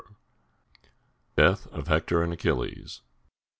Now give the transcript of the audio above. DEATH OF HECTOR AND ACHILLES.